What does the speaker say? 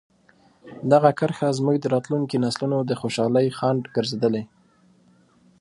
دغه کرښه زموږ د راتلونکي نسلونو د خوشحالۍ خنډ ګرځېدلې.